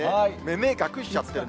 目、隠しちゃって。